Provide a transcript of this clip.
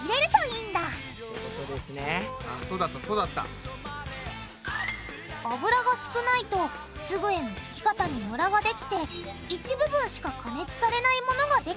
あそうだったそうだった。油が少ないと粒へのつき方にムラができて一部分しか加熱されないものができちゃう。